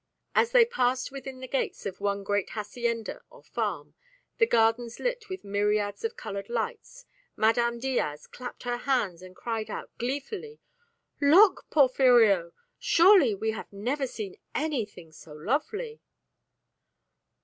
As they passed within the gates of one great hacienda or farm, the gardens lit with myriads of coloured lights, Madame Diaz clapped her hands and cried out gleefully, "Look, Porfirio! Surely we have never seen anything so lovely!"